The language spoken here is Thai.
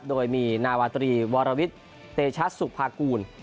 โดยมีนาวาตรีวรวิทย์เตชะสุภากูล